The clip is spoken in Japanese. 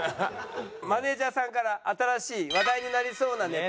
マネージャーさんから新しい話題になりそうなネタ。